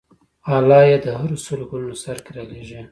الله د هرو سلو کلونو سر کې رالېږي.